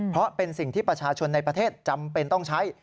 เพราะเป็นสิ่งที่ประชาชนในประเทศจำเป็นต้องใช้